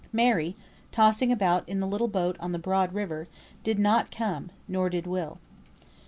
Mary (tossing about in the little boat on the broad river) did not come, nor did Will.